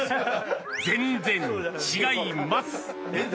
全然違います。